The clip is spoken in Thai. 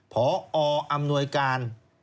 พออำนวยการ